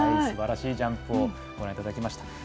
すばらしいジャンプをご覧いただきました。